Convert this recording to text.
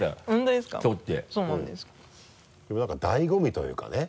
でも何か醍醐味というかね。